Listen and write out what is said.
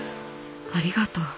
ありがとう」。